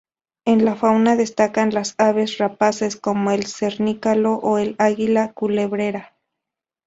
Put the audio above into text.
En la fauna destacan las aves rapaces como el cernícalo o el águila culebrera.